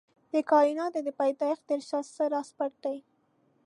د کائناتو د پيدايښت تر شا څه راز پټ دی؟